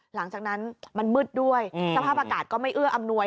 หลังจากนั้นมันมืดด้วยสภาพอากาศก็ไม่เอื้ออำนวย